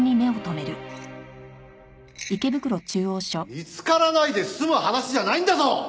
見つからないで済む話じゃないんだぞ！